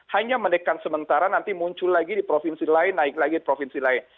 hanya mendekat sementara nanti muncul lagi di provinsi lain naik lagi provinsi lain